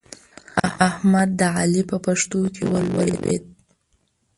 احمد د علي په پښتو کې ور ولوېد.